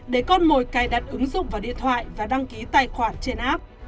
để con mồi cài đặt ứng dụng vào điện thoại và đăng ký tài khoản trên app